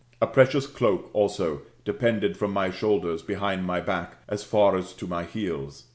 A precious cloak also depended from my shoulders behind my back as far as to my heels.